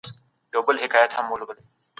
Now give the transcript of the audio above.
د اجناسو او خدماتو په توليد کي زياتوالى راغلى دى.